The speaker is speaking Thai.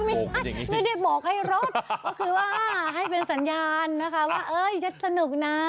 ไม่ได้บอกให้รถก็คือว่าให้เป็นสัญญาณนะคะว่าจะสนุกนะ